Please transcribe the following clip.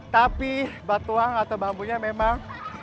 tapi batuang atau bambunya memang